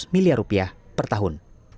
miliar rupiah per tahun